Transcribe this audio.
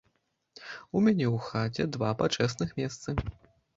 У мяне ў хаце два пачэсных месцы.